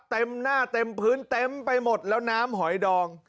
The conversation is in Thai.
เต็มหน้าเต็มพื้นเต็มไปหมดแล้วน้ำหอยดอง